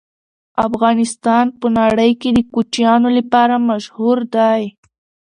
افغانستان په نړۍ کې د کوچیانو لپاره مشهور دی.